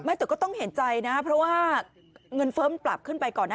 แต่ก็ต้องเห็นใจนะเพราะว่าเงินเฟ้อมันปรับขึ้นไปก่อนนะ